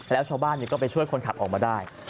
แล้วชาวบ้านก็ไปช่วยคนขับออกมาได้